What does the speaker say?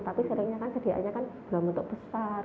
tapi seringnya kan sediaannya kan belum untuk besar